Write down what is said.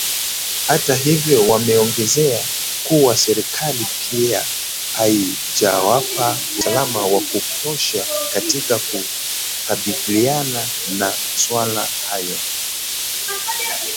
Hata hivyo wameongezea kuwa serikali pia haijawapa usalama wa kutosha katika kukabiliana na maswala hayo